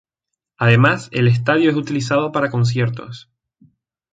Además el estadio es utilizado para conciertos.